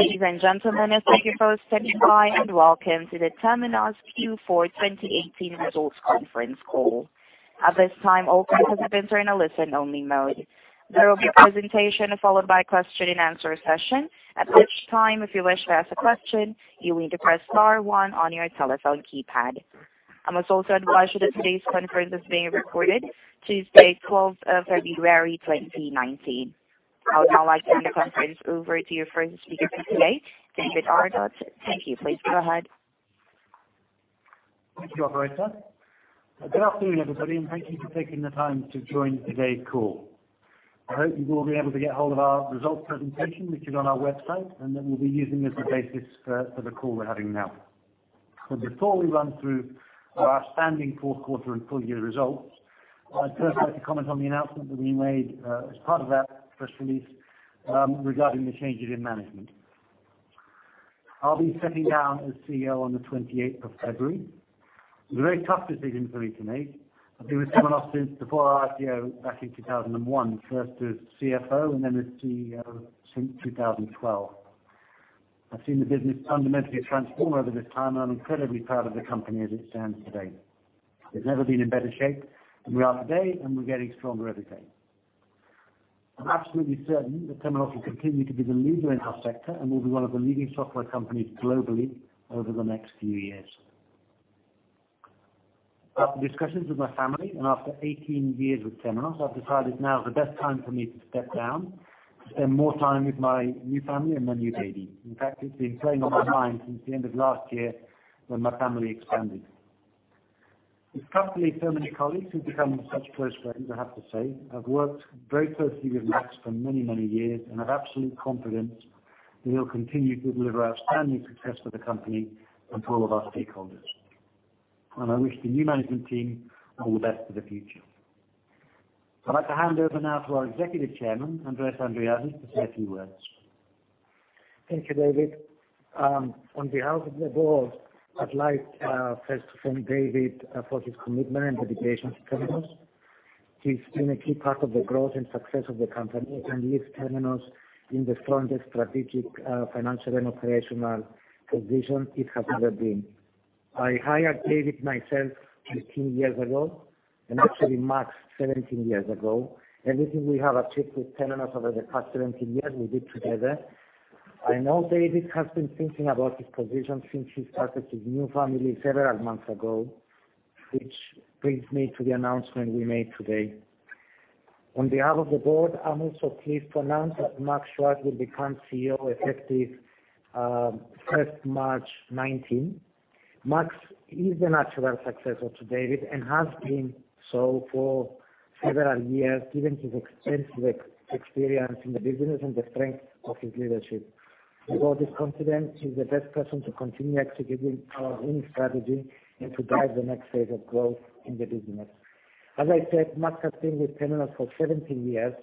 Ladies and gentlemen, thank you for standing by, and welcome to the Temenos Q4 2018 Results Conference Call. At this time, all participants are in a listen-only mode. There will be a presentation followed by a question-and-answer session. At which time, if you wish to ask a question, you will need to press star one on your telephone keypad. I must also advise you that today's conference is being recorded, Tuesday, 12th of February, 2019. I would now like to hand the conference over to your first speaker for today, David Arnott. Thank you. Please go ahead. Thank you, operator. Good afternoon, everybody, and thank you for taking the time to join today's call. I hope you've all been able to get hold of our results presentation, which is on our website, and that we'll be using as the basis for the call we're having now. Before we run through our outstanding fourth quarter and full-year results, I'd first like to comment on the announcement that we made as part of that press release regarding the changes in management. I'll be stepping down as CEO on the 28th of February. It was a very tough decision for me to make. I've been with Temenos since before our IPO back in 2001, first as CFO and then as CEO since 2012. I've seen the business fundamentally transformed over this time, and I'm incredibly proud of the company as it stands today. It's never been in better shape than we are today, and we're getting stronger every day. I'm absolutely certain that Temenos will continue to be the leader in our sector and will be one of the leading software companies globally over the next few years. After discussions with my family and after 18 years with Temenos, I've decided now is the best time for me to step down to spend more time with my new family and my new baby. In fact, it's been playing on my mind since the end of last year when my family expanded. With countless Temenos colleagues who've become such close friends, I have to say, I've worked very closely with Max Chuard for many years and have absolute confidence that he'll continue to deliver outstanding success for the company and to all of our stakeholders. I wish the new management team all the best for the future. I'd like to hand over now to our Executive Chairman, Andreas Andreades, to say a few words. Thank you, David. On behalf of the board, I would like first to thank David for his commitment and dedication to Temenos. He has been a key part of the growth and success of the company and leaves Temenos in the strongest strategic, financial, and operational position it has ever been. I hired David myself 18 years ago, and actually Max, 17 years ago. Everything we have achieved with Temenos over the past 17 years, we did together. I know David has been thinking about his position since he started his new family several months ago, which brings me to the announcement we made today. On behalf of the board, I am also pleased to announce that Max Chuard will become CEO effective March 1, 2019. Max is the natural successor to David and has been so for several years, given his extensive experience in the business and the strength of his leadership. The board is confident he is the best person to continue executing our winning strategy and to drive the next phase of growth in the business. As I said, Max has been with Temenos for 17 years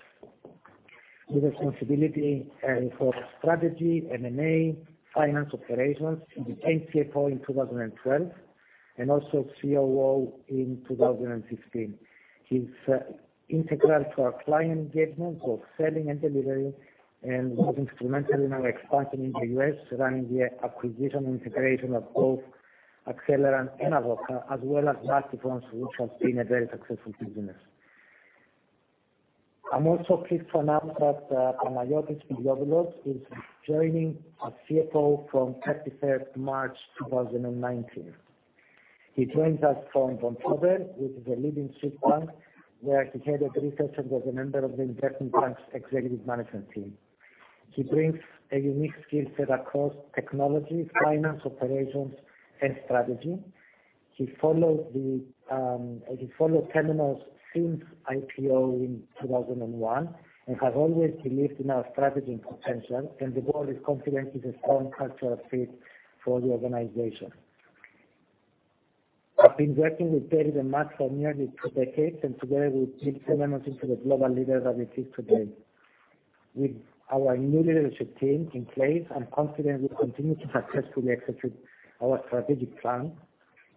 with responsibility for strategy, M&A, finance operations. He became CFO in 2012 and also COO in 2016. He is integral to our client engagement, both selling and delivery, and was instrumental in our expansion in the U.S. surrounding the acquisition and integration of both Akcelerant and Avoka, as well as Multifonds, which has been a very successful business. I am also pleased to announce that Panagiotis Spiliopoulos is joining as CFO from March 31, 2019. He joins us from Vontobel, which is a leading Swiss bank, where he headed research and was a member of the investment bank's executive management team. He brings a unique skill set across technology, finance operations, and strategy. He followed Temenos since IPO in 2001 and has always believed in our strategy and potential, and the board is confident he is a strong cultural fit for the organization. I have been working with David and Max for nearly two decades, and together we have built Temenos into the global leader that it is today. With our new leadership team in place, I am confident we will continue to successfully execute our strategic plan.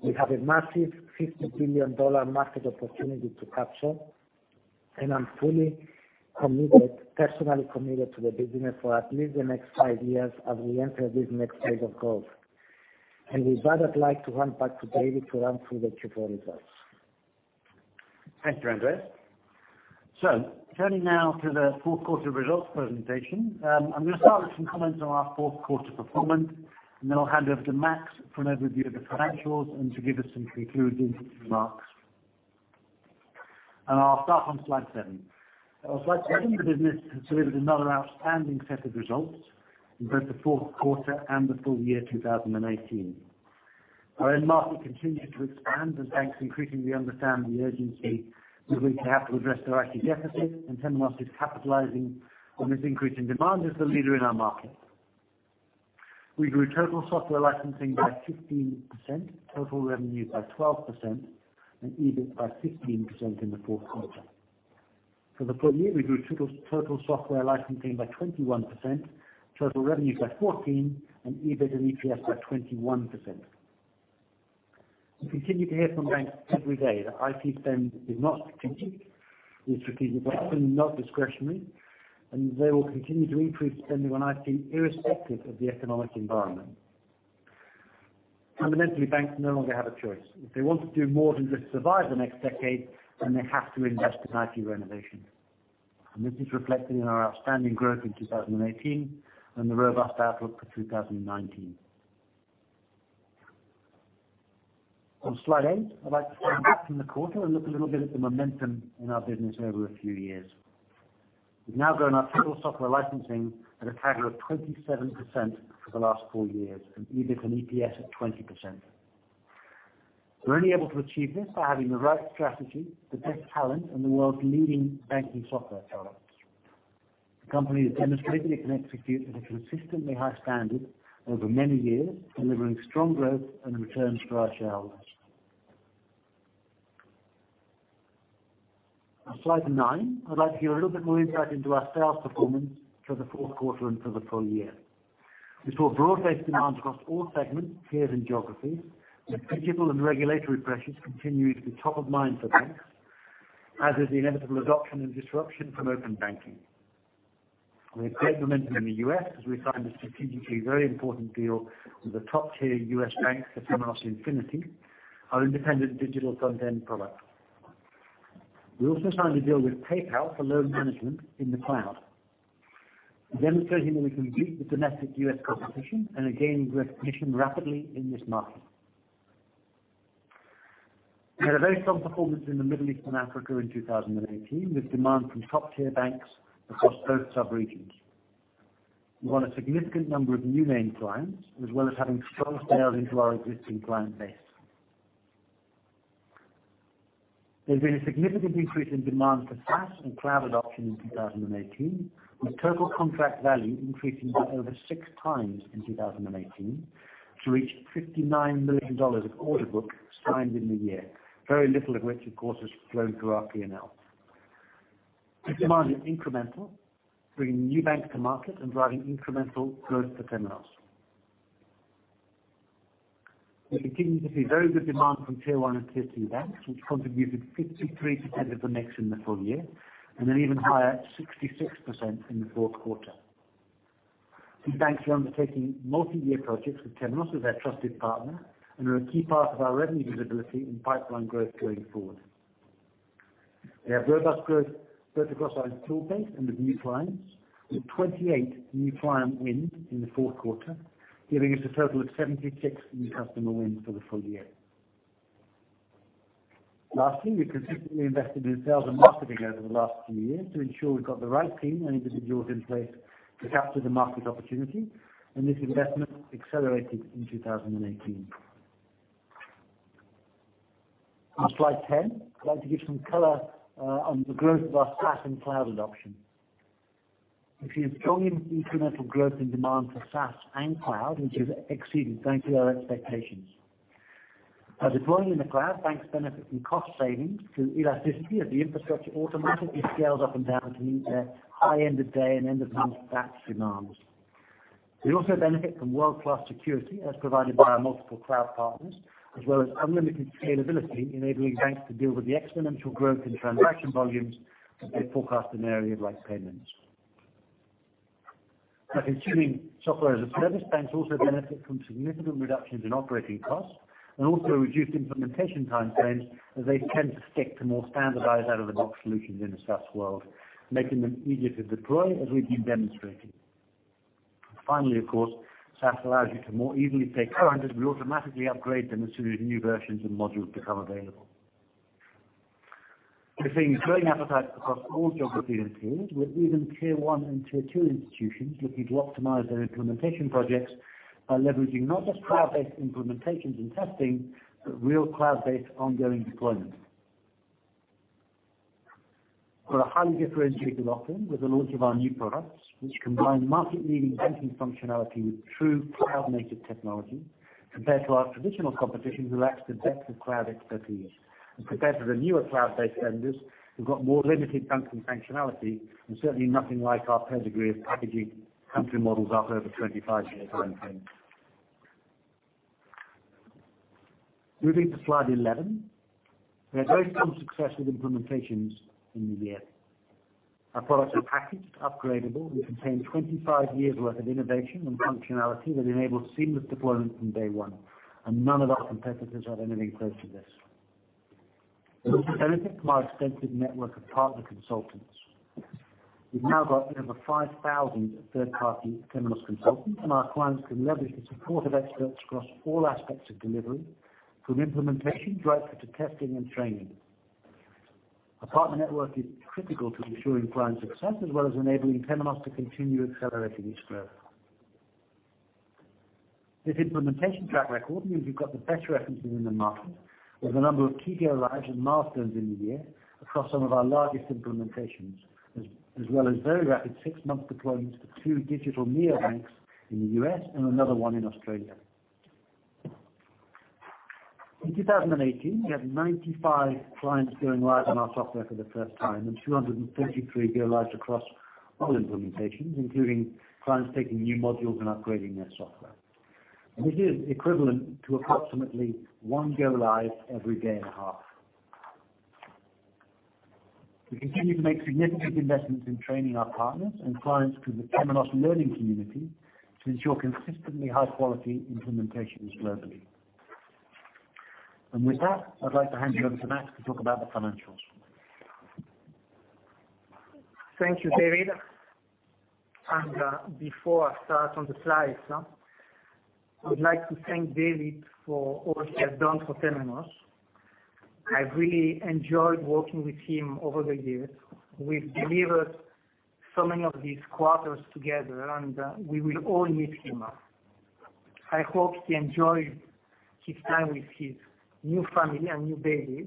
We have a massive CHF 50 billion market opportunity to capture, and I am fully committed, personally committed to the business for at least the next five years as we enter this next phase of growth. And with that, I would like to hand back to David to run through the Q4 results. Thank you, Andreas. Turning now to the fourth quarter results presentation. I am going to start with some comments on our fourth quarter performance, and then I will hand over to Max for an overview of the financials and to give us some concluding remarks. I will start on slide seven. On slide seven, the business has delivered another outstanding set of results in both the fourth quarter and the full year 2018. Our end market continued to expand as banks increasingly understand the urgency with which they have to address their IT deficit, and Temenos is capitalizing on this increase in demand as the leader in our market. We grew total software licensing by 15%, total revenue by 12%, and EBIT by 16% in the fourth quarter. For the full year, we grew total software licensing by 21%, total revenue by 14%, and EBIT and EPS by 21%. We continue to hear from banks every day that IT spend is not strategic. It's strategic, but not discretionary, and they will continue to increase spending on IT irrespective of the economic environment. Fundamentally, banks no longer have a choice. If they want to do more than just survive the next decade, then they have to invest in IT renovation. This is reflected in our outstanding growth in 2018 and the robust outlook for 2019. On slide eight, I'd like to stand back from the quarter and look a little bit at the momentum in our business over a few years. We've now grown our total software licensing at a CAGR of 27% for the last four years, and EBIT and EPS at 20%. We're only able to achieve this by having the right strategy, the best talent, and the world's leading banking software products. The company has demonstrated it can execute at a consistently high standard over many years, delivering strong growth and returns for our shareholders. On slide nine, I'd like to give a little bit more insight into our sales performance for the fourth quarter and for the full year. We saw broad-based demand across all segments, tiers, and geographies, with principal and regulatory pressures continuing to be top of mind for banks, as is the inevitable adoption and disruption from open banking. We have great momentum in the U.S. as we signed a strategically very important deal with a top-tier U.S. bank for Temenos Infinity, our independent digital front-end product. We also signed a deal with PayPal for loan management in the cloud, demonstrating that we can beat the domestic U.S. competition and are gaining recognition rapidly in this market. We had a very strong performance in the Middle East and Africa in 2018, with demand from top-tier banks across both sub-regions. We won a significant number of new name clients, as well as having strong sales into our existing client base. There's been a significant increase in demand for SaaS and cloud adoption in 2018, with total contract value increasing by over 6x in 2018 to reach $59 million of order book signed in the year, very little of which, of course, has flowed through our P&L. This demand is incremental, bringing new banks to market and driving incremental growth for Temenos. We're continuing to see very good demand from Tier 1 and Tier 2 banks, which contributed 53% of the mix in the full year, and an even higher 66% in the fourth quarter. These banks are undertaking multi-year projects with Temenos as their trusted partner and are a key part of our revenue visibility and pipeline growth going forward. We have robust growth both across our tool base and with new clients, with 28 new client wins in the fourth quarter, giving us a total of 76 new customer wins for the full year. Lastly, we've consistently invested in sales and marketing over the last few years to ensure we've got the right team and individuals in place to capture the market opportunity, and this investment accelerated in 2018. On slide 10, I'd like to give some color on the growth of our SaaS and cloud adoption. We're seeing strong incremental growth in demand for SaaS and cloud, which has exceeded thankfully our expectations. By deploying in the cloud, banks benefit from cost savings through elasticity as the infrastructure automatically scales up and down to meet their high end-of-day and end-of-month batch demands. We also benefit from world-class security as provided by our multiple cloud partners, as well as unlimited scalability, enabling banks to deal with the exponential growth in transaction volumes that they forecast in an area like payments. By consuming software as a service, banks also benefit from significant reductions in operating costs and also a reduced implementation time frame, as they tend to stick to more standardized out-of-the-box solutions in the SaaS world, making them easier to deploy, as we've been demonstrating. Of course, SaaS allows you to more easily take current, as we automatically upgrade them as soon as new versions and modules become available. We're seeing growing appetite across all geographies and tiers, with even Tier 1 and Tier 2 institutions looking to optimize their implementation projects by leveraging not just cloud-based implementations and testing, but real cloud-based ongoing deployment. We're a highly differentiated offering with the launch of our new products, which combine market-leading banking functionality with true cloud-native technology, compared to our traditional competition, who lacks the depth of cloud expertise. Compared to the newer cloud-based vendors, who've got more limited banking functionality and certainly nothing like our pedigree of packaging country models after over 25 years of endpoints. Moving to slide 11. We had very strong success with implementations in the year. Our products are packaged, upgradable, and contain 25 years' worth of innovation and functionality that enable seamless deployment from day one. None of our competitors have anything close to this. They also benefit from our extensive network of partner consultants. We've now got over 5,000 third-party Temenos consultants, and our clients can leverage the support of experts across all aspects of delivery, from implementation right through to testing and training. Our partner network is critical to ensuring client success as well as enabling Temenos to continue accelerating its growth. This implementation track record means you've got the best references in the market, with a number of key go-lives and milestones in the year across some of our largest implementations, as well as very rapid six-month deployments for two digital neo banks in the U.S. and another one in Australia. In 2018, we had 95 clients going live on our software for the first time and 233 go-lives across all implementations, including clients taking new modules and upgrading their software. This is equivalent to approximately one go live every day and a half. We continue to make significant investments in training our partners and clients through the Temenos Learning Community to ensure consistently high quality implementations globally. With that, I'd like to hand you over to Max to talk about the financials. Thank you, David. Before I start on the slides, I would like to thank David for all he has done for Temenos. I've really enjoyed working with him over the years. We've delivered so many of these quarters together. We will all miss him. I hope he enjoys his time with his new family and new baby.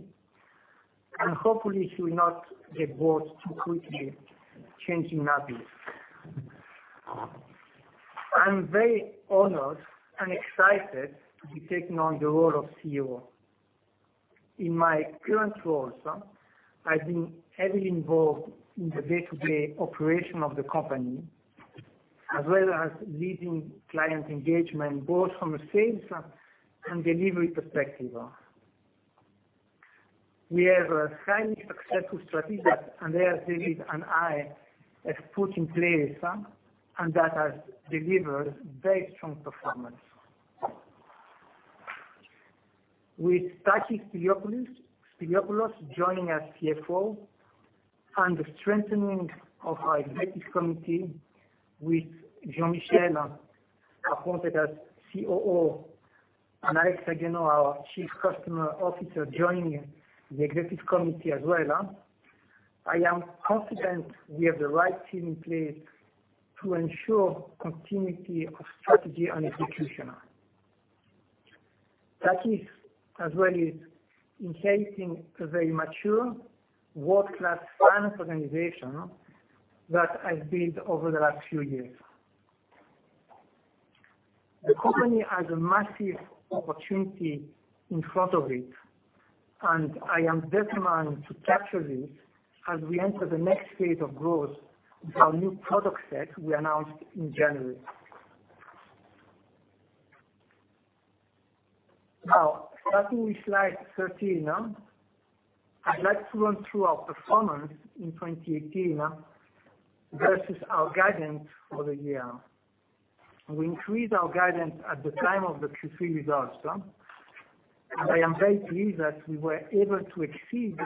Hopefully he will not get bored too quickly changing nappies. I'm very honored and excited to be taking on the role of CEO. In my current role, I've been heavily involved in the day-to-day operation of the company, as well as leading client engagement, both from a sales and delivery perspective. We have a highly successful strategy that, there, David and I have put in place, that has delivered very strong performance. With Taki Spiliopoulos joining as CFO, the strengthening of our Executive Committee with Jean-Michel Hilsenkopf appointed as COO, Alexa Guenoun, our Chief Customer Officer, joining the Executive Committee as well, I am confident we have the right team in place to ensure continuity of strategy and execution. Taki as well is inheriting a very mature world-class finance organization that I've built over the last few years. The company has a massive opportunity in front of it. I am determined to capture this as we enter the next phase of growth with our new product set we announced in January. Starting with slide 13, I'd like to run through our performance in 2018 versus our guidance for the year. We increased our guidance at the time of the Q3 results. I am very pleased that we were able to exceed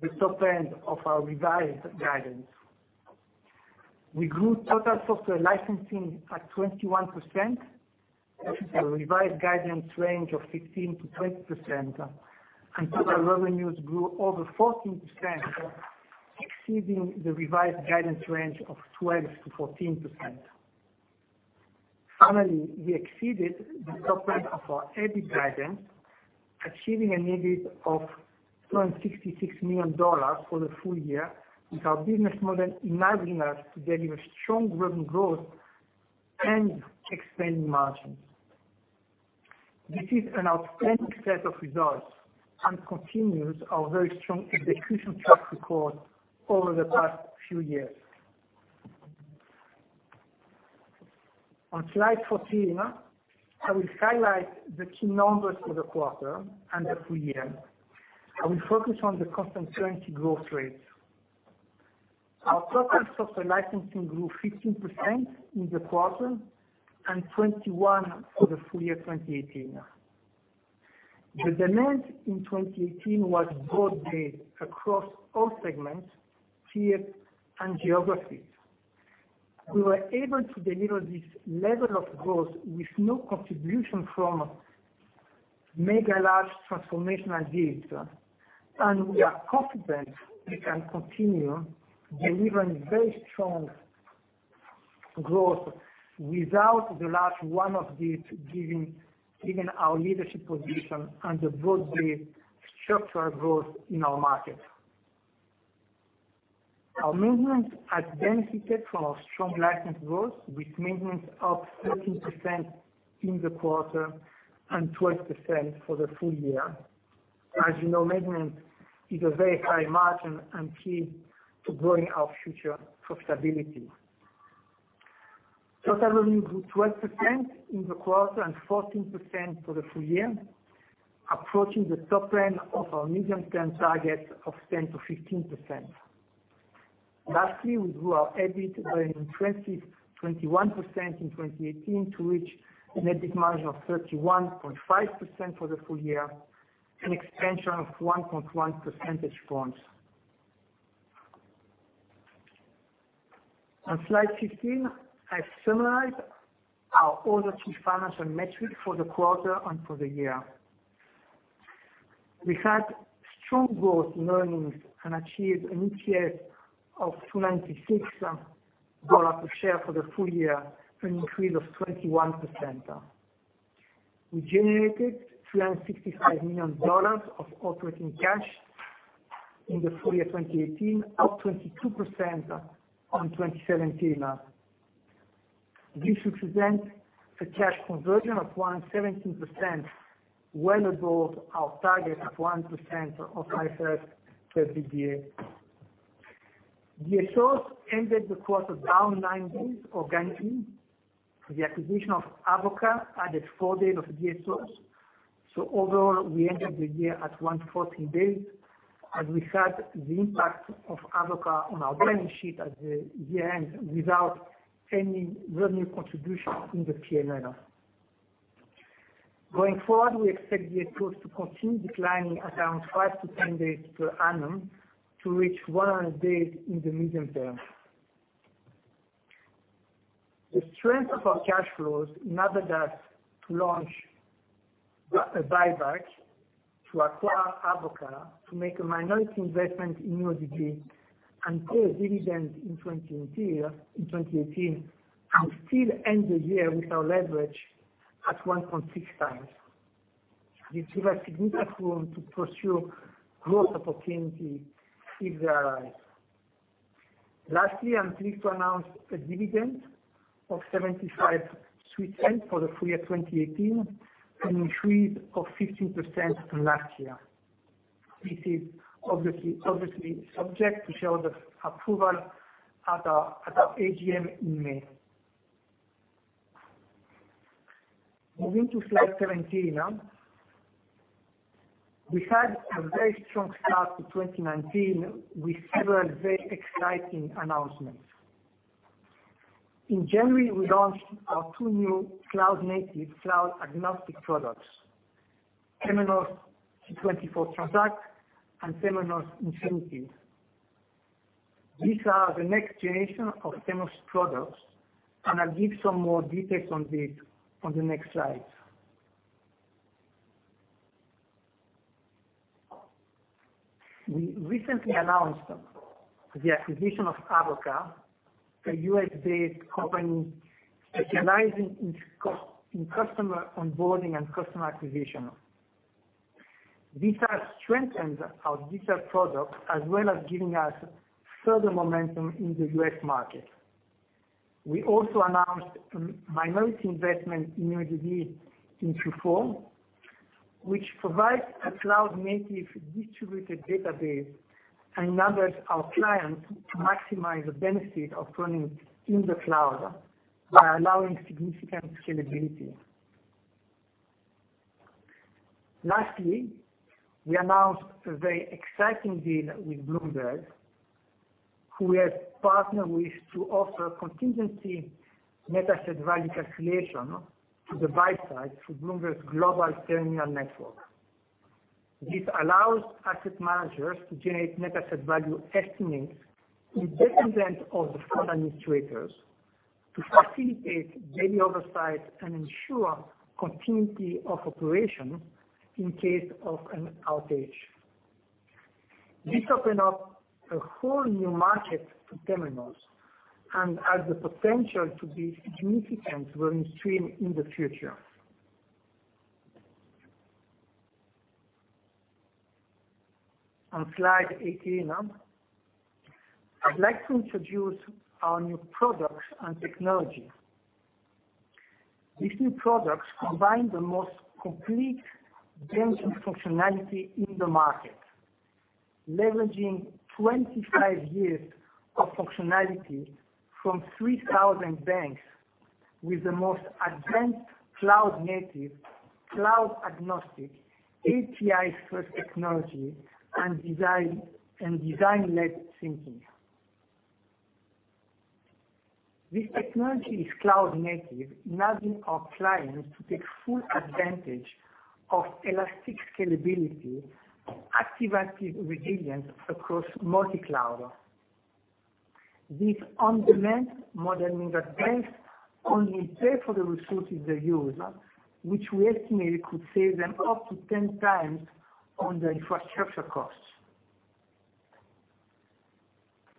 the top end of our revised guidance. We grew total software licensing at 21%, which is a revised guidance range of 15%-20%, and total revenues grew over 14%, exceeding the revised guidance range of 12%-14%. Finally, we exceeded the top end of our EBIT guidance, achieving an EBIT of $266 million for the full year, with our business model enabling us to deliver strong revenue growth and expanding margins. This is an outstanding set of results and continues our very strong execution track record over the past few years. On slide 14, I will highlight the key numbers for the quarter and the full year. I will focus on the constant currency growth rates. Our total software licensing grew 15% in the quarter and 21% for the full year 2018. The demand in 2018 was broad-based across all segments, tiers, and geographies. We were able to deliver this level of growth with no contribution from mega large transformational deals. We are confident we can continue delivering very strong growth without the large one of these, given our leadership position and the broad-based structural growth in our market. Our maintenance has benefited from our strong license growth, with maintenance up 13% in the quarter and 12% for the full year. As you know, maintenance is a very high margin and key to growing our future profitability. Total revenue grew 12% in the quarter and 14% for the full year, approaching the top end of our medium-term target of 10%-15%. Lastly, we grew our EBIT by an impressive 21% in 2018 to reach an EBIT margin of 31.5% for the full year, an expansion of 1.1 percentage points. On slide 15, I summarize our other key financial metrics for the quarter and for the year. We had strong growth in earnings and achieved an EPS of $2.96 a share for the full year, an increase of 21%. We generated $365 million of operating cash in the full year 2018, up 22% on 2017. This represents a cash conversion of 1.17%, well above our target of 1% for the first half of the year. Days sales outstanding ended the quarter down nine days organically. The acquisition of Avoka added four days of days sales outstanding. Overall, we ended the year at 140 days as we had the impact of Avoka on our balance sheet at the year-end, without any revenue contribution in the P&L. Going forward, we expect days sales outstanding to continue declining around five to 10 days per annum to reach 100 days in the medium term. The strength of our cash flows enabled us to launch a buyback, to acquire Avoka, to make a minority investment in NuoDB, and pay a dividend in 2018, and still end the year with our leverage at 1.6x. This leaves significant room to pursue growth opportunities if they arise. Lastly, I'm pleased to announce a dividend of 0.75 for the full year 2018, an increase of 15% from last year. This is obviously subject to shareholder approval at our AGM in May. Moving to slide 17. We had a very strong start to 2019 with several very exciting announcements. In January, we launched our two new cloud-native, cloud-agnostic products, Temenos T24 Transact and Temenos Infinity. These are the next generation of Temenos products, and I'll give some more details on this on the next slide. We recently announced the acquisition of Avoka, a U.S.-based company specializing in customer onboarding and customer acquisition. This has strengthened our digital products as well as given us further momentum in the U.S. market. We also announced a minority investment in NuoDB in Q4, which provides a cloud-native distributed database, enabling our clients to maximize the benefit of running in the cloud by allowing significant scalability. Lastly, we announced a very exciting deal with Bloomberg, who we have partnered with to offer contingency net asset value calculation to the buy side through Bloomberg's global partner network. This allows asset managers to generate net asset value estimates independent of the fund administrators to facilitate daily oversight and ensure continuity of operation in case of an outage. This opened up a whole new market for Temenos and has the potential to be a significant revenue stream in the future. On slide 18, I'd like to introduce our new products and technology. These new products combine the most complete banking functionality in the market, leveraging 25 years of functionality from 3,000 banks, with the most advanced cloud-native, cloud-agnostic, API-first technology, and design-led thinking. This technology is cloud native, enabling our clients to take full advantage of elastic scalability, active-active resilience across multi-cloud. This on-demand model means that banks only pay for the resources they use, which we estimate could save them up to 10x on their infrastructure costs.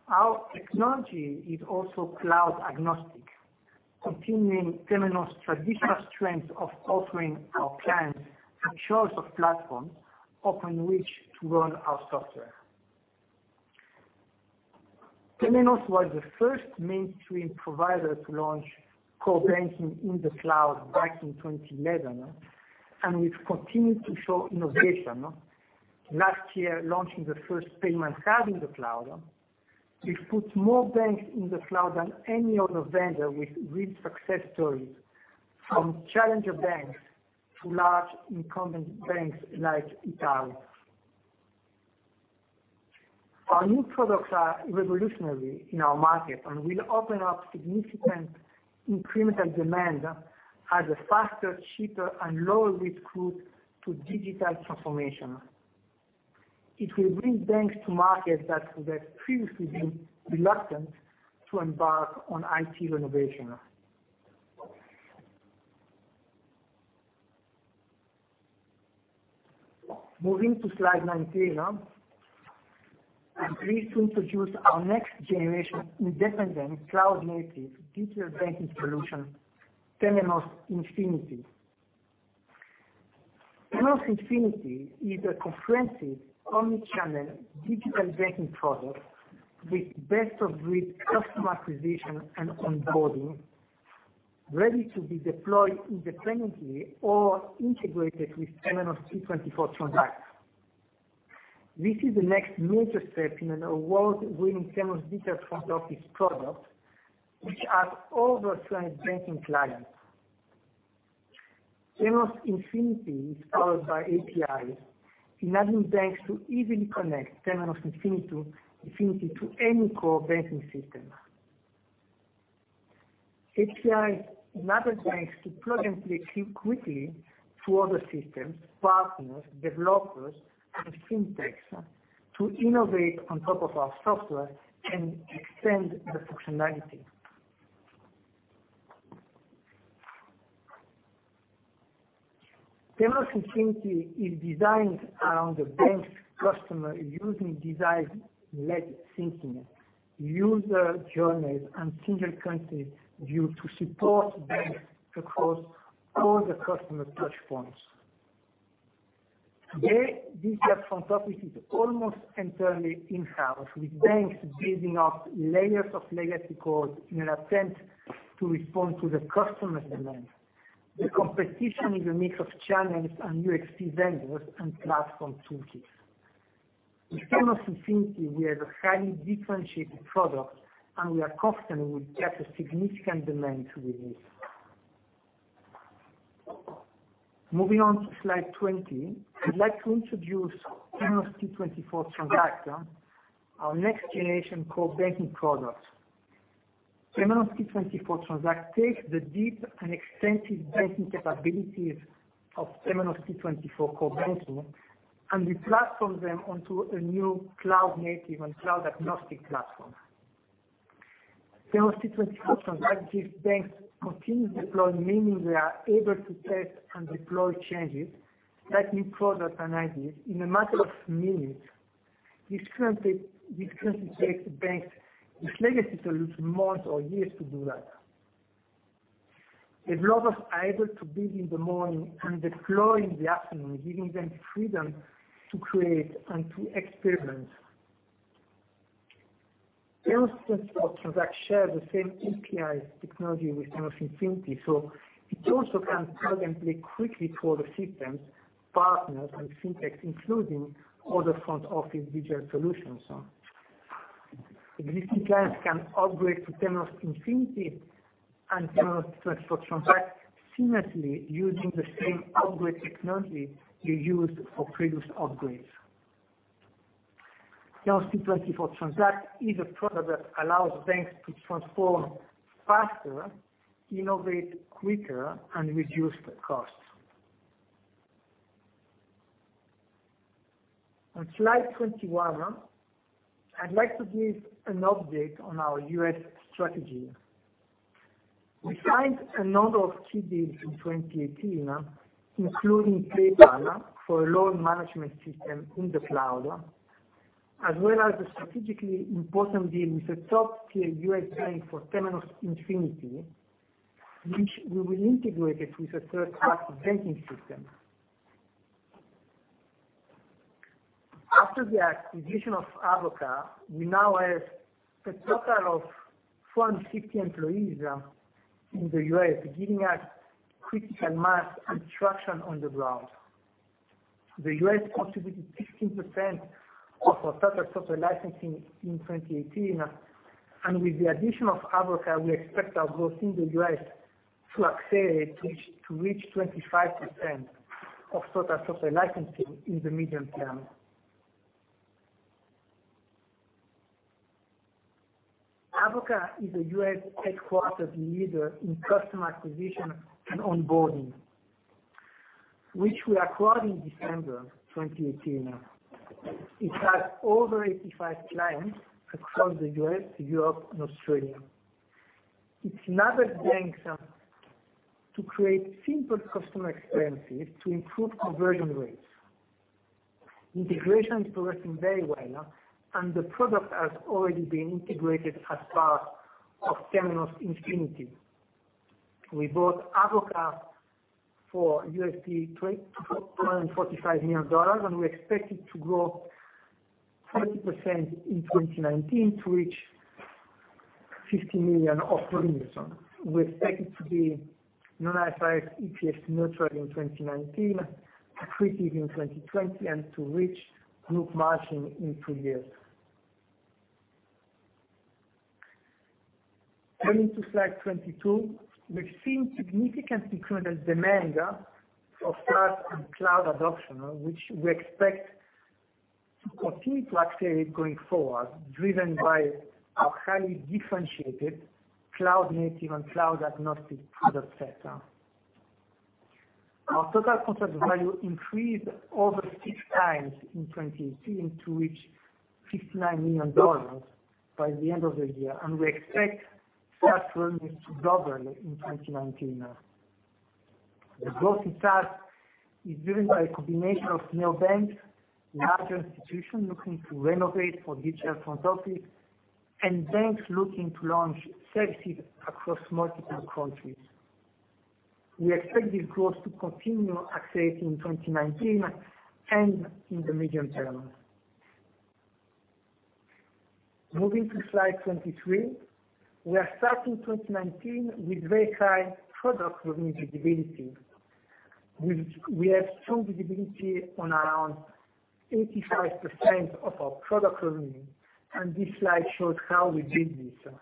Our technology is also cloud agnostic, continuing Temenos' traditional strength of offering our clients a choice of platforms upon which to run our software. Temenos was the first mainstream provider to launch core banking in the cloud back in 2011, and we've continued to show innovation, last year launching the first payment hub in the cloud. We've put more banks in the cloud than any other vendor, with real success stories, from challenger banks to large incumbent banks like Itaú. Our new products are revolutionary in our market and will open up significant incremental demand as a faster, cheaper, and lower-risk route to digital transformation. It will bring banks to market that were previously reluctant to embark on IT renovation. Moving to slide 19. I'm pleased to introduce our next-generation independent cloud-native digital banking solution, Temenos Infinity. Temenos Infinity is a comprehensive omnichannel digital banking product with best-of-breed customer acquisition and onboarding, ready to be deployed independently or integrated with Temenos T24 Transact. This is the next major step in an award-winning Temenos digital front office product, which has over 20 banking clients. Temenos Infinity is powered by APIs, enabling banks to easily connect Temenos Infinity to any core banking system. APIs enable banks to plug and play quickly to other systems, partners, developers, and fintechs to innovate on top of our software and extend the functionality. Temenos Infinity is designed around the bank's customer using design-led thinking, user journeys, and single currency view to support banks across all the customer touchpoints. Today, digital front office is almost entirely in-house, with banks building up layers of legacy code in an attempt to respond to the customer demand. The competition is a mix of channels and UX vendors and platform toolkits. With Temenos Infinity, we have a highly differentiated product, and we are confident we will get a significant demand to release. Moving on to slide 20, I'd like to introduce Temenos T24 Transact, our next-generation core banking product. Temenos T24 Transact takes the deep and extensive banking capabilities of Temenos T24 core banking, and we platform them onto a new cloud-native and cloud-agnostic platform. Temenos T24 Transact gives banks continuous deployment, meaning they are able to test and deploy changes like new product and ideas in a matter of minutes. This currently takes banks with legacy solutions months or years to do that. It allows us either to build in the morning and deploy in the afternoon, giving them freedom to create and to experiment. Temenos T24 Transact share the same API technology with Temenos Infinity, so it also can plug and play quickly to other systems, partners, and fintechs, including other front-office digital solutions. Existing clients can upgrade to Temenos Infinity and Temenos T24 Transact seamlessly using the same upgrade technology they used for previous upgrades. Temenos T24 Transact is a product that allows banks to transform faster, innovate quicker, and reduce costs. On slide 21, I'd like to give an update on our U.S. strategy. We signed a number of key deals in 2018, including PayPal for a loan management system in the cloud, as well as a strategically important deal with a top-tier U.S. bank for Temenos Infinity, which we will integrate it with a third-party banking system. After the acquisition of Avoka, we now have a total of 150 employees in the U.S., giving us critical mass and traction on the ground. The U.S. contributed 15% of our total software licensing in 2018, and with the addition of Avoka, we expect our growth in the U.S. to accelerate to reach 25% of total software licensing in the medium term. Avoka is a U.S. headquartered leader in customer acquisition and onboarding, which we acquired in December 2018. It has over 85 clients across the U.S., Europe, and Australia. It's enabled banks to create simple customer experiences to improve conversion rates. Integration is progressing very well, and the product has already been integrated as part of Temenos Infinity. We bought Avoka for USD $245 million, and we expect it to grow 40% in 2019 to reach $50 million of revenue. We expect it to be non-IFRS EPS neutral in 2019, accretive in 2020, and to reach group margin in two years. Going to slide 22. We've seen significant incremental demand of SaaS and cloud adoption, which we expect to continue to accelerate going forward, driven by our highly differentiated cloud-native and cloud-agnostic product set. Our total contract value increased over six times in 2018 to reach $59 million by the end of the year, and we expect SaaS revenue to double in 2019. The growth in SaaS is driven by a combination of new banks, larger institutions looking to renovate for digital front office and banks looking to launch services across multiple countries. We expect this growth to continue accelerating in 2019 and in the medium term. Moving to slide 23. We are starting 2019 with very high product revenue visibility. We have strong visibility on around 85% of our product revenue, and this slide shows how we build this.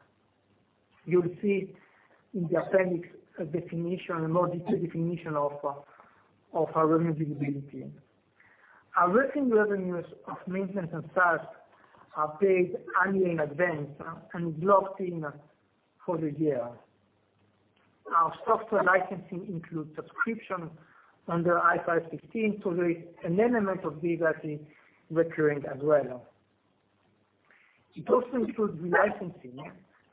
You'll see in the appendix, a more detailed definition of our revenue visibility. Our recurring revenues of maintenance and SaaS are paid annually in advance and blocked in for the year. Our software licensing includes subscription under IFRS 15, so there is an element of this that is recurring as well. It also includes re-licensing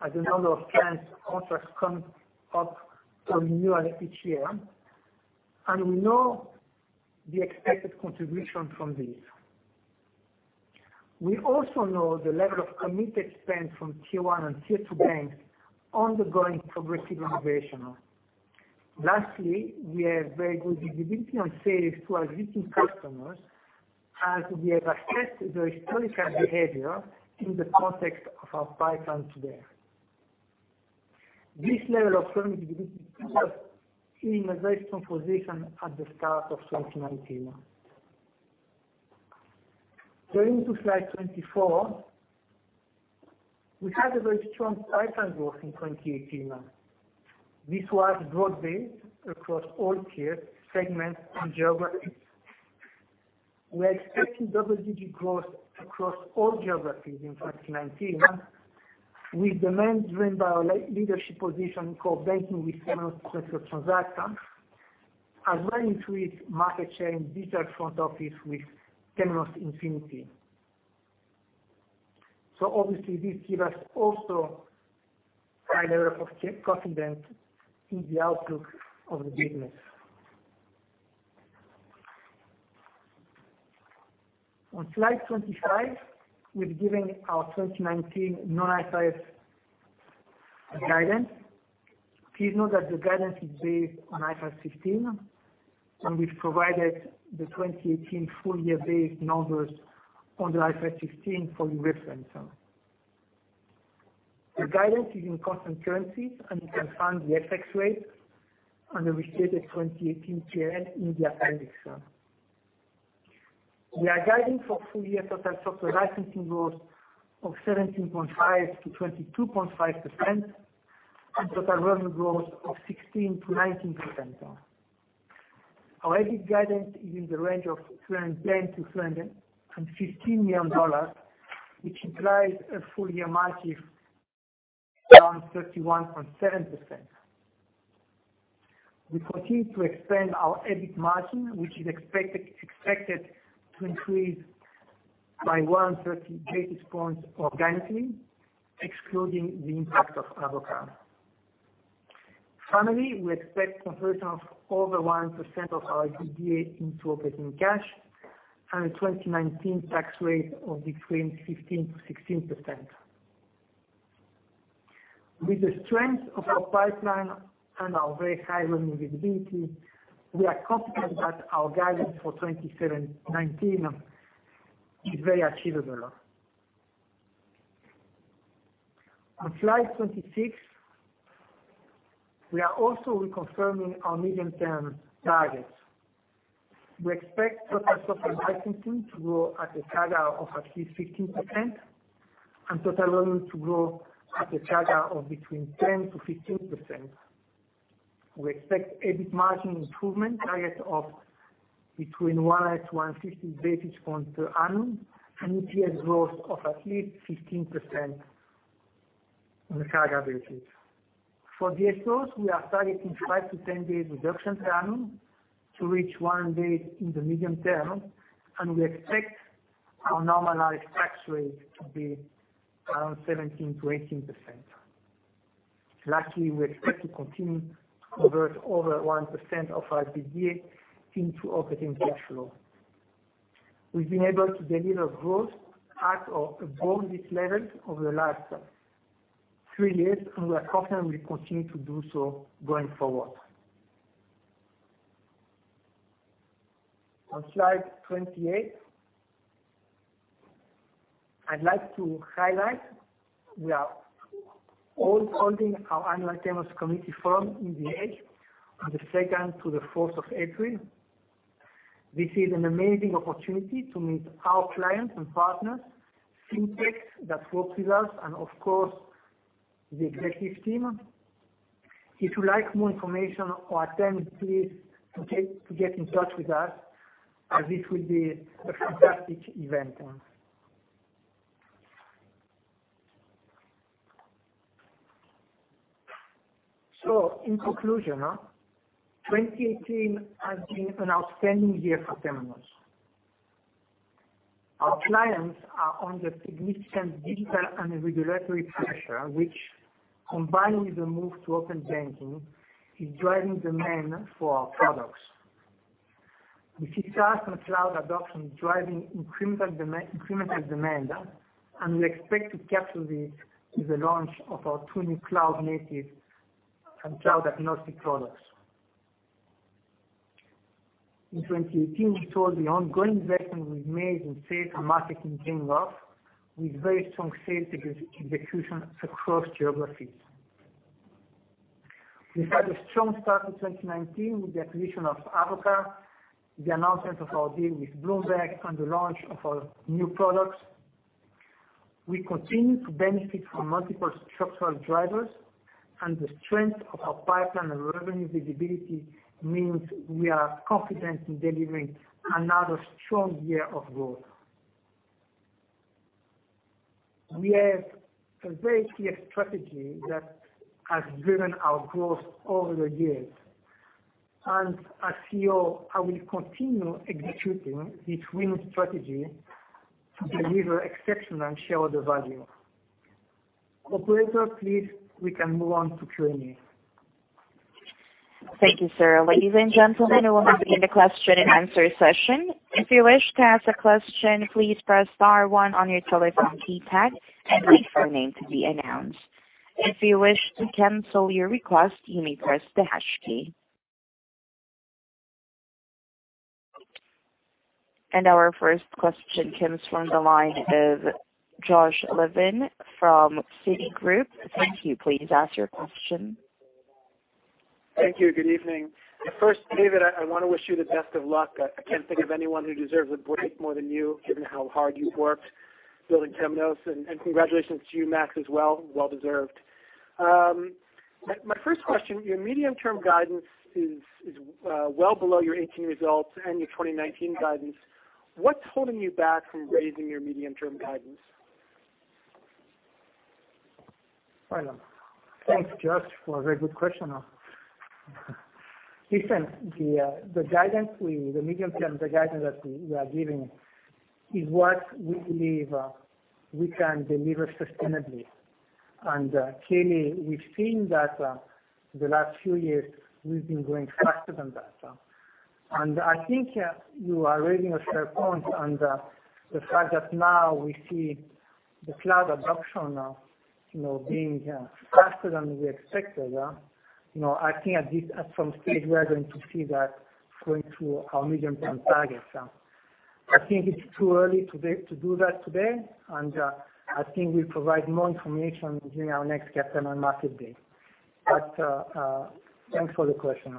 as a number of client contracts come up for renewal each year, and we know the expected contribution from this. We also know the level of committed spend from tier 1 and tier 2 banks undergoing progressive innovation. Lastly, we have very good visibility on sales to our existing customers as we have assessed their historical behavior in the context of our pipeline today. This level of revenue visibility puts us in a very strong position at the start of 2019. Going to slide 24. We had a very strong pipeline growth in 2018. This was broad-based across all tiers, segments, and geographies. We are expecting double-digit growth across all geographies in 2019, with demand driven by our leadership position in core banking with Temenos Transact, as well as with market change digital front office with Temenos Infinity. Obviously this gives us also a high level of confidence in the outlook of the business. On slide 25, we've given our 2019 non-IFRS guidance. Please note that the guidance is based on IFRS 15, and we've provided the 2018 full year-based numbers under IFRS 15 for your reference. The guidance is in constant currencies, and you can find the FX rates under restated 2018 P&L in the appendix. We are guiding for full year total software licensing growth of 17.5%-22.5%, and total revenue growth of 16%-19%. Our EBIT guidance is in the range of $310 million-$315 million, which implies a full year margin around 31.7%. We continue to expand our EBIT margin, which is expected to increase by 130 basis points organically, excluding the impact of Avoka. Finally, we expect conversion of over 1% of our EBITDA into operating cash and a 2019 tax rate of between 15%-16%. With the strength of our pipeline and our very high revenue visibility, we are confident that our guidance for 2019 is very achievable. On slide 26, we are also reconfirming our medium-term targets. We expect total software licensing to grow at a CAGR of at least 15% and total revenue to grow at a CAGR of between 10%-15%. We expect EBIT margin improvement target of between 100-160 basis points per annum, and EPS growth of at least 15% on a CAGR basis. For DSOs, we are targeting 5-10 days reduction per annum to reach one day in the medium term, and we expect our normalized tax rate to be around 17%-18%. Lastly, we expect to continue to convert over 1% of our EBITDA into operating cash flow. We've been able to deliver growth at or above this level over the last three years, and we are confident we continue to do so going forward. On slide 28, I'd like to highlight we are holding our annual Temenos Community Forum in The Hague on the 2nd-4th of April. This is an amazing opportunity to meet our clients and partners, fintechs that work with us, and of course, the executive team. If you like more information or attend, please get in touch with us as this will be a fantastic event. In conclusion, 2018 has been an outstanding year for Temenos. Our clients are under significant digital and regulatory pressure, which, combined with the move to open banking, is driving demand for our products. We see SaaS and cloud adoption driving incremental demand, and we expect to capture this with the launch of our two new cloud-native and cloud-agnostic products. In 2018, we saw the ongoing investment we've made in sales and marketing paying off, with very strong sales execution across geographies. We've had a strong start to 2019 with the acquisition of Avoka, the announcement of our deal with Bloomberg, and the launch of our new products. We continue to benefit from multiple structural drivers, The strength of our pipeline and revenue visibility means we are confident in delivering another strong year of growth. We have a very clear strategy that has driven our growth over the years. As CEO, I will continue executing this winning strategy to deliver exceptional shareholder value. Operator, please, we can move on to Q&A. Thank you, sir. Our first question comes from the line of Josh Levin from Citigroup. Thank you. Good evening. First, David, I want to wish you the best of luck. I can't think of anyone who deserves it more than you, given how hard you've worked building Temenos. Congratulations to you, Max, as well. Well deserved. My first question, your medium-term guidance is well below your 2018 results and your 2019 guidance. What's holding you back from raising your medium-term guidance? Thanks, Josh, for a very good question. Listen, the medium-term guidance that we are giving is what we believe we can deliver sustainably. Clearly, we've seen that the last few years we've been growing faster than that. I think you are raising a fair point on the fact that now we see the cloud adoption being faster than we expected. I think at some stage we are going to see that going through our medium-term targets. I think it's too early to do that today, and I think we'll provide more information during our next capital and market day. Thanks for the question.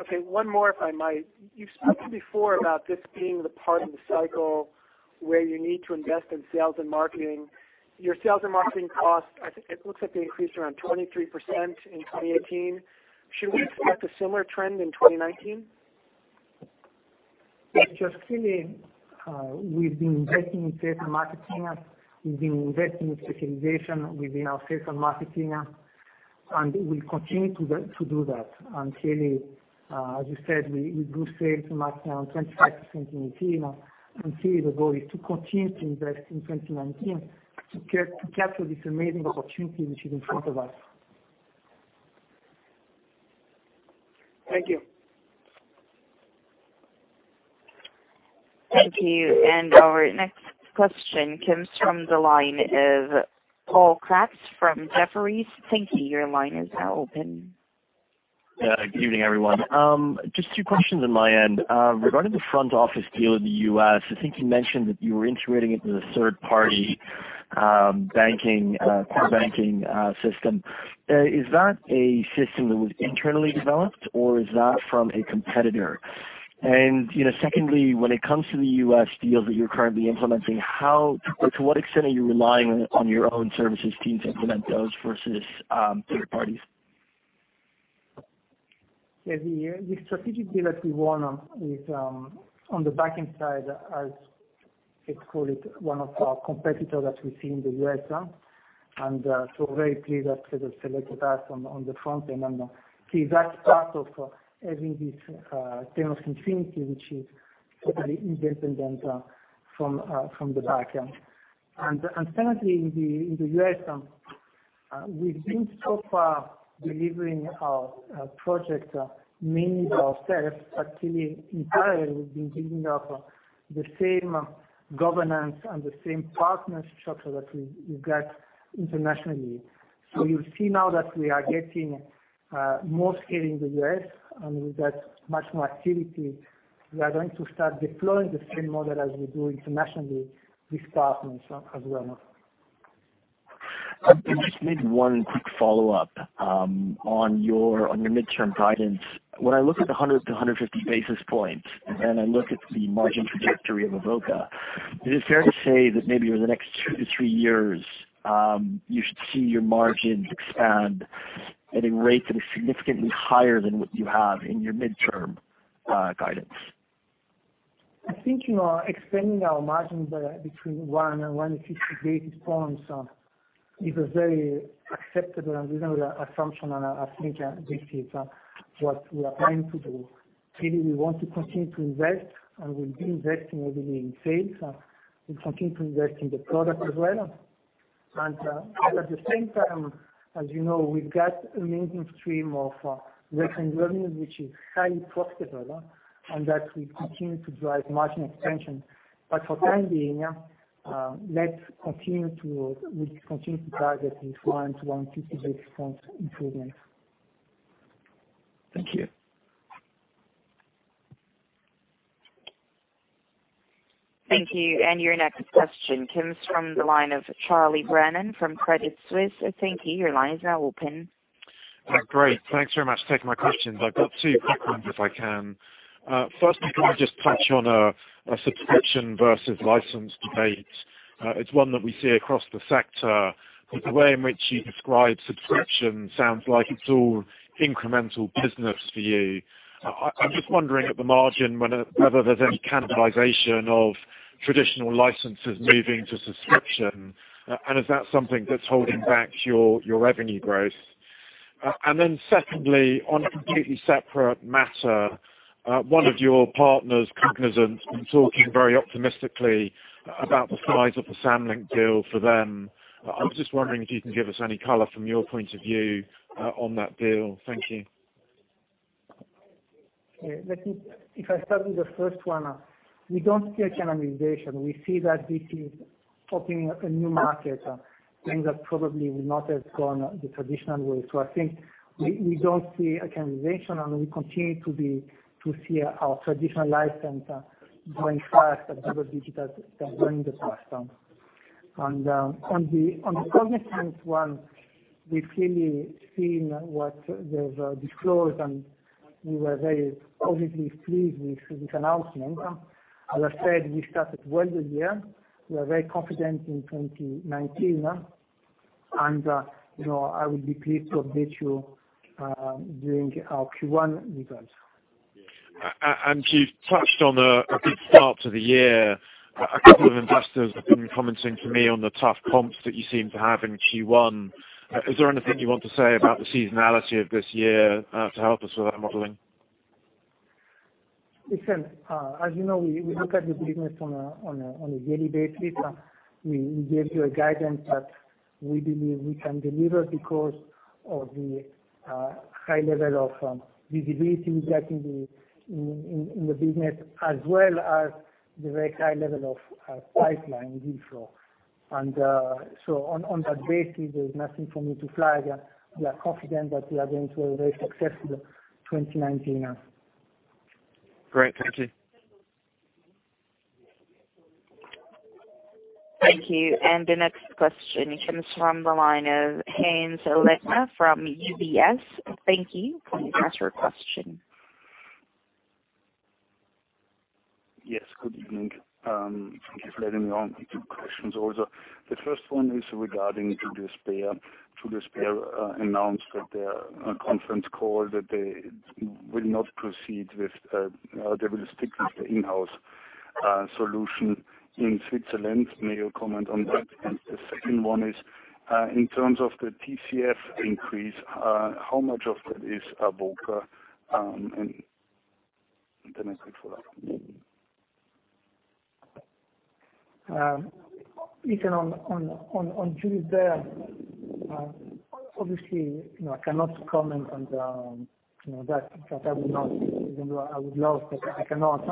Okay. One more, if I might. You've spoken before about this being the part in the cycle where you need to invest in sales and marketing. Your sales and marketing costs, it looks like they increased around 23% in 2018. Should we expect a similar trend in 2019? Yes, Josh. Clearly, we've been investing in sales and marketing. We've been investing in specialization within our sales and marketing, and we'll continue to do that. Clearly, as you said, we grew sales and marketing 25% in 2018. Clearly, the goal is to continue to invest in 2019 to capture this amazing opportunity which is in front of us. Thank you. Our next question comes from the line of Paul Kratz from Jefferies. Good evening, everyone. Just two questions on my end. Regarding the front office deal in the U.S., I think you mentioned that you were integrating it with a third-party core banking system. Is that a system that was internally developed, or is that from a competitor? Secondly, when it comes to the U.S. deals that you're currently implementing, to what extent are you relying on your own services team to implement those versus third parties? The strategic deal that we won is on the backend side, as let's call it one of our competitors that we see in the U.S. We're very pleased that they selected us on the front end. See, that's part of having this Temenos Infinity, which is totally independent from the backend. Secondly, in the U.S., we've been so far delivering our projects mainly ourselves, but clearly internally, we've been building up the same governance and the same partner structure that we've got internationally. You'll see now that we are getting more scale in the U.S., and with that much more activity, we are going to start deploying the same model as we do internationally with partners as well. Can I just make one quick follow-up on your midterm guidance? When I look at the 100 - 150 basis points, and I look at the margin trajectory of Avoka, is it fair to say that maybe over the next two to three years, you should see your margins expand at a rate that is significantly higher than what you have in your midterm guidance? I think expanding our margins between 100 and 150 basis points is a very acceptable and reasonable assumption, and I think this is what we are planning to do. Clearly, we want to continue to invest, and we'll be investing heavily in sales. We'll continue to invest in the product as well. At the same time, as you know, we've got a maintenance stream of recurring revenue which is highly profitable, and that will continue to drive margin expansion. For the time being, we'll continue to target the 100 - 150 basis point improvement. Thank you. Your next question comes from the line of Charles Brennan from Credit Suisse. Great. Thanks very much for taking my questions. I've got two quick ones if I can. First, can I just touch on a subscription versus license debate? It's one that we see across the sector. The way in which you describe subscription sounds like it's all incremental business for you. I'm just wondering at the margin, whether there's any cannibalization of traditional licenses moving to subscription, and if that's something that's holding back your revenue growth. Then secondly, on a completely separate matter, one of your partners, Cognizant, been talking very optimistically about the size of the Santander deal for them. I was just wondering if you can give us any color from your point of view on that deal. Thank you. If I start with the first one, we don't see a cannibalization. We see that this is opening a new market, things that probably would not have gone the traditional way. I think we don't see a cannibalization, we continue to see our traditional license growing fast and other digital things growing as well. On the Cognizant one, we've clearly seen what they've disclosed, and we were very obviously pleased with this announcement. As I said, we started well this year. We are very confident in 2019. I will be pleased to update you, during our Q1 results. You've touched on a good start to the year. A couple of investors have been commenting to me on the tough comps that you seem to have in Q1. Is there anything you want to say about the seasonality of this year to help us with our modeling? Listen, as you know, we look at the business on a daily basis. We gave you a guidance that we believe we can deliver because of the high level of visibility we get in the business, as well as the very high level of pipeline lead flow. On that basis, there's nothing for me to flag. We are confident that we are going to have a very successful 2019. Great. Thank you. The next question comes from the line of Hannes Leitner from UBS. Yes, good evening. Thank you for letting me on. Two questions also. The first one is regarding Julius Baer. Julius Baer announced at their conference call that they will not proceed. They will stick with the in-house solution in Switzerland. May you comment on that? The second one is, in terms of the TCF increase, how much of that is Avoka? A quick follow-up maybe. On Julius Baer, obviously, I cannot comment on that. Even though I would love to, I cannot.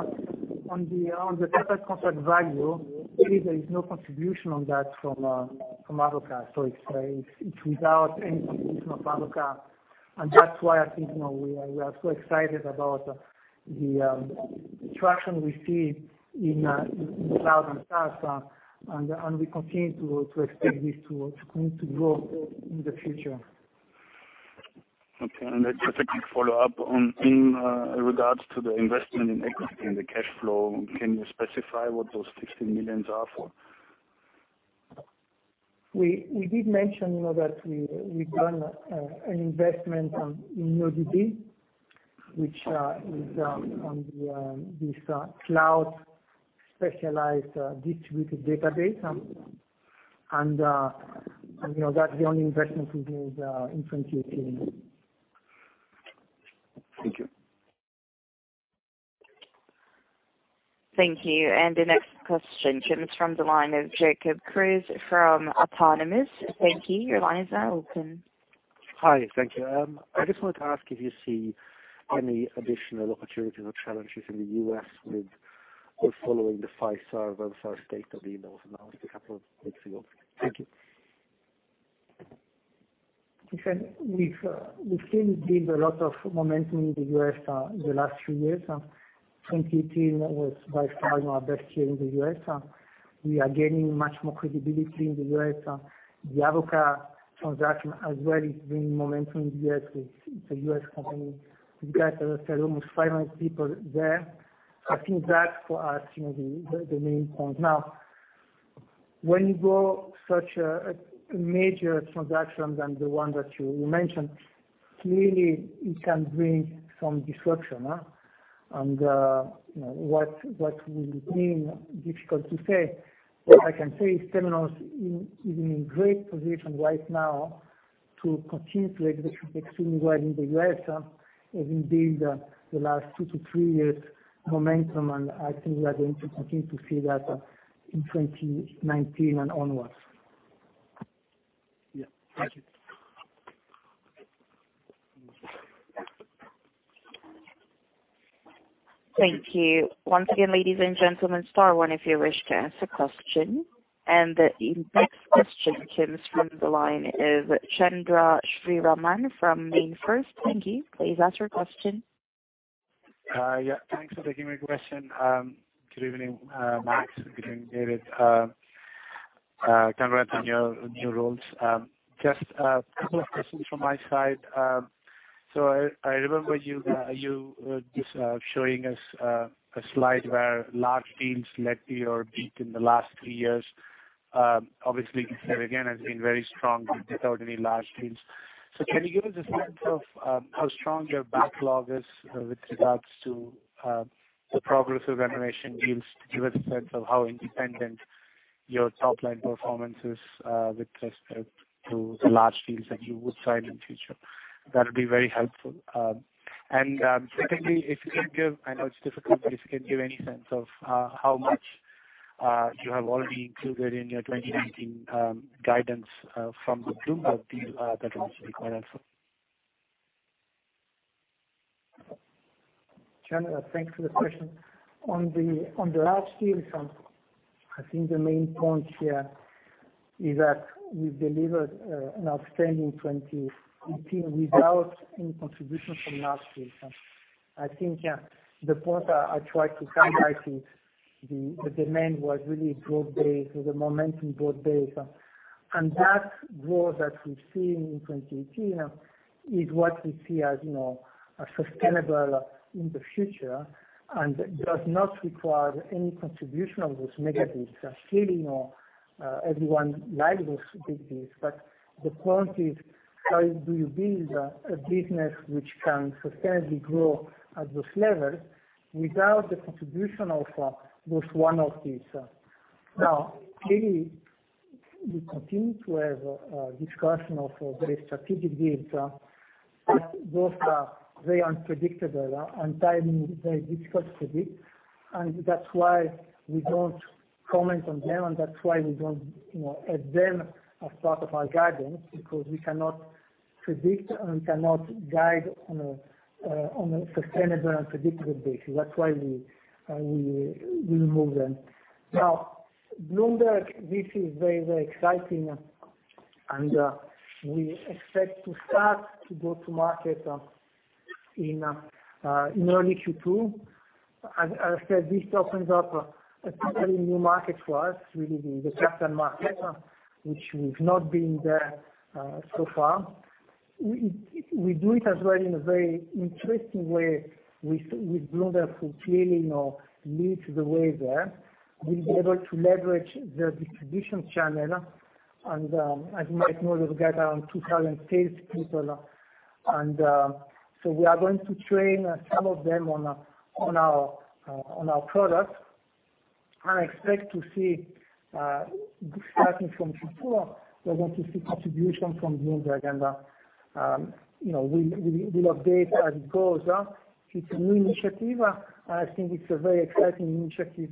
On the current contract value, really there is no contribution on that from Avoka. It's without any contribution of Avoka, and that's why I think we are so excited about the traction we see in cloud and SaaS, and we continue to expect this to continue to grow in the future. Okay, just a quick follow-up. In regards to the investment in equity and the cash flow, can you specify what those $15 million are for? We did mention that we've done an investment in NuoDB, which is on this cloud specialized distributed database. That's the only investment we did in 2018. Thank you. The next question comes from the line of Jacob Kruse from Autonomous. Hi. Thank you. I just wanted to ask if you see any additional opportunities or challenges in the U.S. following the Fiserv and First Data deals announced a couple of weeks ago. Thank you. Listen, we've seen a lot of momentum in the U.S. the last few years. 2018 was by far our best year in the U.S. We are gaining much more credibility in the U.S. The Avoka transaction as well is bringing momentum in the U.S. It's a U.S. company. We've got, as I said, almost 500 people there. I think that for us, the main point now, when you grow such a major transaction than the one that you mentioned, clearly it can bring some disruption. What will it mean? Difficult to say. What I can say is Temenos is in great position right now to continue to execute extremely well in the U.S., as indeed, the last two to three years momentum. I think we are going to continue to see that in 2019 and onwards. Thank you. The next question comes from the line of Chandra Sriraman from MainFirst. Thanks for taking my question. Good evening, Max. Good evening, David. Congrats on your new roles. Just a couple of questions from my side. I remember you just showing us a slide where large deals led to your beat in the last three years. Obviously, again, has been very strong without any large deals. Can you give us a sense of how strong your backlog is with regards to the progress of renovation deals to give us a sense of how independent your top-line performance is with respect to the large deals that you would sign in future? That would be very helpful. Secondly, if you can give any sense of how much you have already included in your 2019 guidance from the Bloomberg deal, that would also be quite helpful. Chandra, thanks for the question. On the large deals, I think the main point here is that we've delivered an outstanding 2018 without any contribution from large deals. I think the point I tried to emphasize is the demand was really broad-based, the momentum broad-based. That growth that we've seen in 2018 is what we see as sustainable in the future and does not require any contribution of those mega deals. Clearly, everyone like those big deals, but the point is how do you build a business which can sustainably grow at those levels without the contribution of those one-off deals. Clearly, we continue to have a discussion of very strategic deals, but those are very unpredictable and timing is very difficult to predict. That's why we don't comment on them, and that's why we don't add them as part of our guidance, because we cannot predict, and we cannot guide on a sustainable and predictable basis. That's why we remove them. Bloomberg, this is very, very exciting, and we expect to start to go to market in early Q2. As I said, this opens up a totally new market for us, really the custom market, which we've not been there so far. We do it as well in a very interesting way with Bloomberg fulfilling or lead the way there. We'll be able to leverage their distribution channel. As you might know, they've got around 2,000 sales people. We are going to train some of them on our products, and I expect to see, starting from Q4, we're going to see contribution from Bloomberg. We'll update as it goes. It's a new initiative. I think it's a very exciting initiative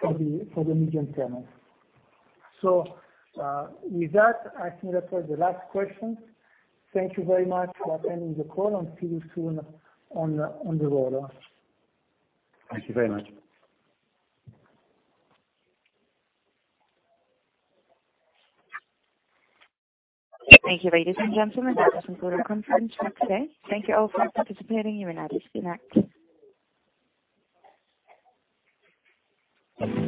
for the medium term. With that, I think that was the last question. Thank you very much for attending the call and see you soon on the road. Thank you very much. Thank you, ladies and gentlemen. That is end of the conference for today. Thank you all for participating. You may now disconnect. Thank you.